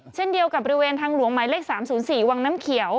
เช่นเดียวกับบริเวณทางหลวงหมายเลข๓๐๔วังน้ำเขียว